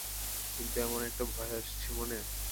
কিন্তু কেমন একটা ভয় আসছে মনে।